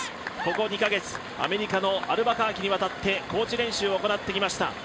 ここ２カ月、アメリカのアルバカーキに渡って高地練習を行ってきました。